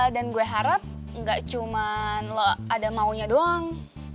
dan gue harap engga cuma lo ada maunya doang